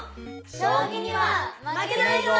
将棋には負けないぞ！